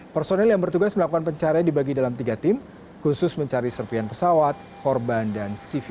personil yang bertugas melakukan pencarian dibagi dalam tiga tim khusus mencari serpian pesawat korban dan cv